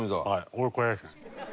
俺これですね。